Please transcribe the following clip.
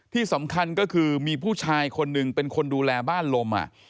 ที่สำคัญก็คือมีผู้ชายคนหนึ่งเป็นคนดูแลบ้านลม